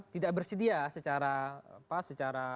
tidak bersedia secara